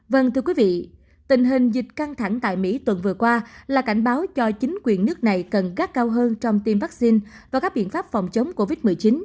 vâng thưa quý vị tình hình dịch căng thẳng tại mỹ tuần vừa qua là cảnh báo cho chính quyền nước này cần gác cao hơn trong tiêm vaccine và các biện pháp phòng chống covid một mươi chín